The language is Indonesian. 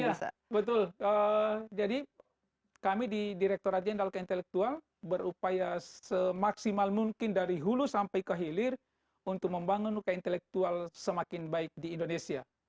iya betul jadi kami di direktur radyendal keintelektual berupaya semaksimal mungkin dari hulu sampai kehilir untuk membangun keintelektual semakin baik di indonesia